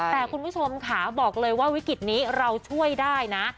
แต่คุณผู้ชมค่ะบอกเลยว่าวิกฤตนี้เราช่วยได้นะ